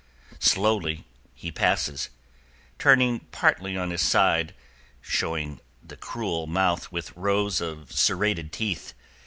Slowly he passes, turning partly on his side, showing the cruel mouth with rows of serrated teeth.